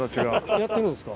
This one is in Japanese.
やってるんですか？